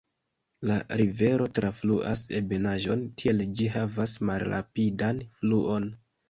La rivero trafluas ebenaĵon, tiel ĝi havas malrapidan fluon.